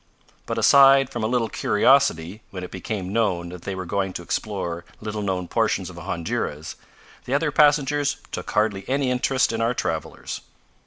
But aside from a little curiosity when it became known that they were going to explore little known portions of Honduras, the other passengers took hardly any interest in our travelers.